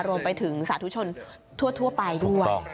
รวมไปถึงสาธุชนทั่วไปด้วย